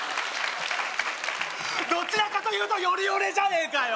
どちらかというとヨレヨレじゃねえかよ！